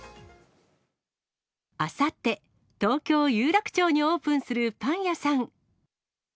あさって、東京・有楽町にオープンするパン屋さん。